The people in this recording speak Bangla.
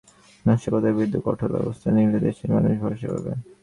এরপর সরকার জামায়াত-শিবিরের নাশকতার বিরুদ্ধে কঠোর ব্যবস্থা নিলে দেশের মানুষ ভরসা পাবে।